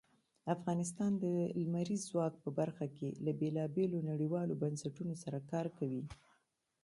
افغانستان د لمریز ځواک په برخه کې له بېلابېلو نړیوالو بنسټونو سره کار کوي.